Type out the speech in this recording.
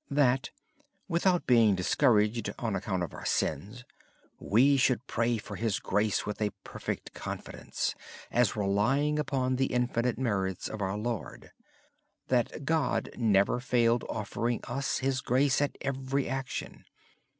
Without being discouraged on account of our sins, we should pray for His grace with a perfect confidence, as relying upon the infinite merits of our Lord. Brother Lawrence said that God never failed offering us His grace at each action.